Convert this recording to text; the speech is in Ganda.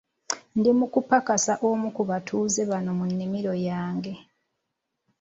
Ndi mu kupakasa omu ku batuuze bano munimiro yange.